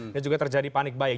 dan juga terjadi panik baik